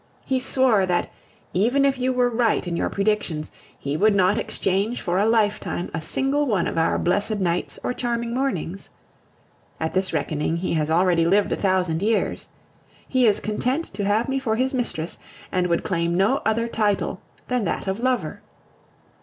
He swore that, even were you right in your predictions, he would not exchange for a lifetime a single one of our blessed nights or charming mornings. At this reckoning he has already lived a thousand years. He is content to have me for his mistress, and would claim no other title than that of lover.